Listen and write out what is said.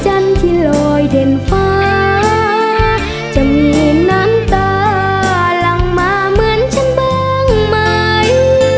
จันทร์ที่ลอยเด่นฟ้าจะมีน้ำตาหลังมาเหมือนฉันบ้างไหม